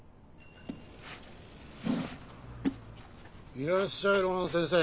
いらっしゃい露伴先生。